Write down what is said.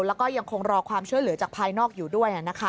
แล้วก็ยังคงรอความช่วยเหลือจากภายนอกอยู่ด้วย